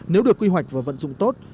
nếu được quy hoạch và vận dụng tốt